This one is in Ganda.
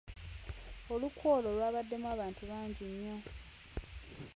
Olukwe olwo lwabaddemu abantu bangi nnyo.